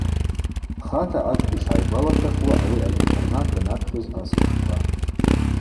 Пхата акӏвпӏ йшгӏайгвалашвахуа ауи аинтернат данапхьуз асквшква.